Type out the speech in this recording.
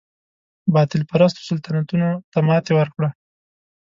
باطل پرستو سلطنتونو ته ماتې ورکړه.